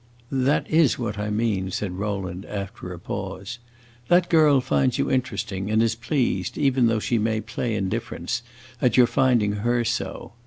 "This is what I mean," said Rowland, after a pause. "That girl finds you interesting, and is pleased, even though she may play indifference, at your finding her so.